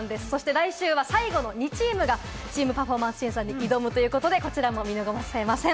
来週は最後の２チームがチーム・パフォーマンス審査に挑むということで、こちらも見逃せません。